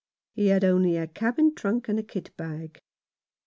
He had only a cabin trunk and a kit bag.